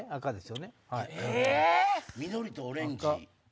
緑とオレンジ。